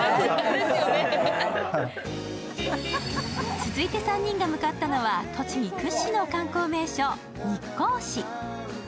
続いて３人が向かったのは栃木屈指の観光名所・日光市。